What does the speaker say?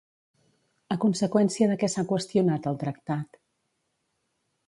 A conseqüència de què s'ha qüestionat el tractat?